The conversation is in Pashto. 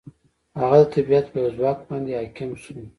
هغه د طبیعت په یو ځواک باندې حاکم شو.